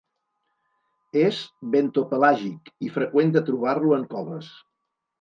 És bentopelàgic i freqüent de trobar-lo en coves.